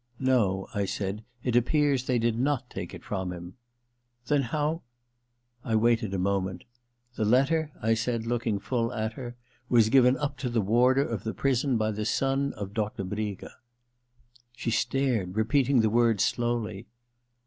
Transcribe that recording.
* No,' I said, * it appears they did not take it from him.* * Then how ' I waited a moment. * The letter,' I said, 254 THE LETTER ii looking full at her, ^ was given up to the warder of the prison by the son of Doctor Briga.* She stared, repeating the words slowly.